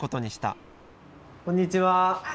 あっこんにちは。